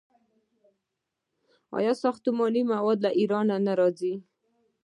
آیا ساختماني مواد له ایران نه راځي؟